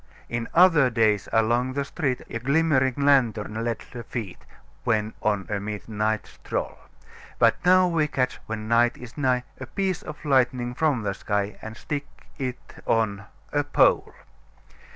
"In other days, along the street, A glimmering lantern led the feet, When on a midnight stroll; But now we catch, when night is nigh, A piece of lightning from the sky And stick it on a pole.